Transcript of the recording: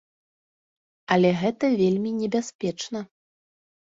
Але гэта вельмі небяспечна.